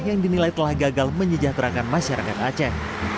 yang dinilai telah gagal menyejahterakan masyarakat aceh